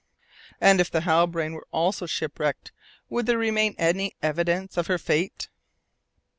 And if the Halbrane were also shipwrecked, would there remain any evidence of her fate?